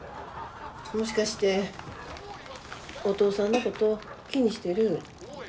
もしかしてお父さんのこと気にしてる？